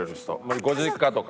ご実家とか？